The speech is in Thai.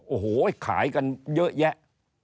โอ้โหขายกันเยอะแยะ